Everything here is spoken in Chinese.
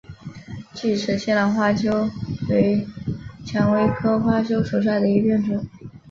巨齿西南花楸为蔷薇科花楸属下的一个变种。